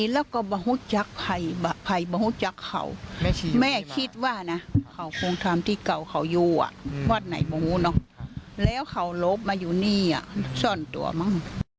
ล่าสุดท่านท่านท่านท่าน